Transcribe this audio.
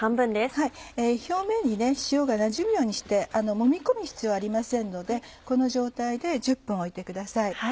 表面に塩がなじむようにしてもみ込む必要ありませんのでこの状態で１０分置いてください。